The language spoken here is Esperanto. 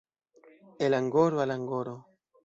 El angoro al angoro.